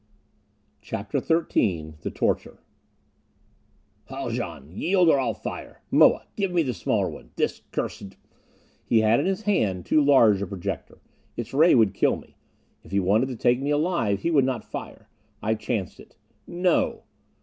CHAPTER XIII The Torture "Haljan! Yield or I'll fire! Moa, give me the smaller one. This cursed " He had in his hand too large a projector. Its ray would kill me. If he wanted to take me alive, he would not fire. I chanced it. "No!"